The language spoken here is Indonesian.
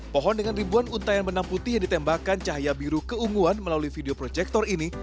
pohon dengan ribuan untayan benang putih yang ditembakkan cahaya biru keunguan melalui video proyektor ini